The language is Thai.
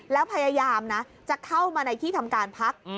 แล้วพยายามนะจะเข้ามาในที่ทำการพัก